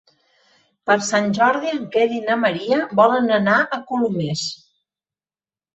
Per Sant Jordi en Quer i na Maria volen anar a Colomers.